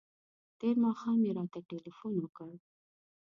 تېر ماښام یې راته تلیفون وکړ.